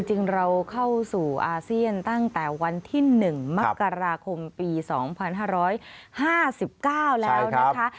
จริงเราเข้าสู่อาเซียนตั้งแต่วันที่๑มกราคมปี๒๕๕๙แล้วนะคะ